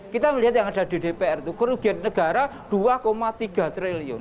kita melihat yang ada di dpr itu kerugian negara dua tiga triliun